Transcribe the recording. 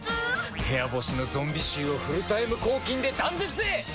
部屋干しのゾンビ臭をフルタイム抗菌で断絶へ！